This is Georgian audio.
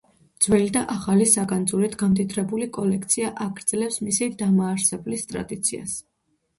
ძველი და ახალი საგანძურით გამდიდრებული კოლექცია აგრძელებს მისი დამაარსებლის ტრადიციას.